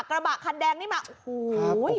กระบะคันแดงนี่มาโอ้โห